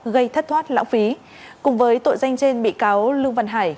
gây thất thoát lãng phí cùng với tội danh trên bị cáo lương văn hải